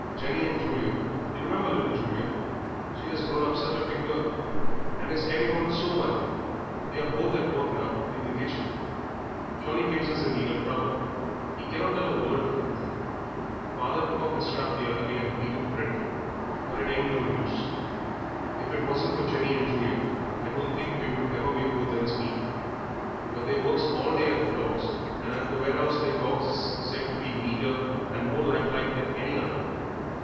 Jenny and Julia you remember little Julia; she 'as grown up such a big girl, and is getting on so well they are both at work now in the kitchen. Johnnie gives us a deal of trouble; he cannot tell a word of truth; father took off his strap the other day and beat him dreadful, but it ain't no use. If it wasn't for Jenny and Julia I don't think we should ever make both ends meet; but they works all day at the dogs, and at the warehouse their dogs is said to be neater and more lifelike than any other.